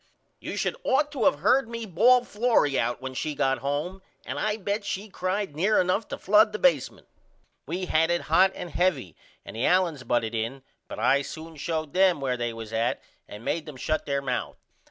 You should ought to of heard me ball Florrie out when she got home and I bet she cried pretty near enough to flood the basemunt. We had it hot and heavy and the Allens butted in but I soon showed them where they was at and made them shut there mouth.